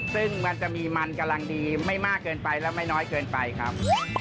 ซึ่งมันจะมีมันกำลังดีไม่มากเกินไปและไม่น้อยเกินไปครับ